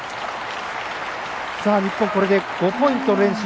日本、これで５ポイント連取。